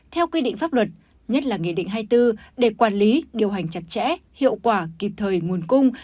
theo quy định pháp luật nhất là nghị định hai mươi bốn để quản lý điều hành chặt chẽ hiệu quả kịp thời nguồn cung